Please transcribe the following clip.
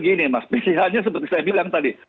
jadi begini mas pilihannya seperti yang saya bilang tadi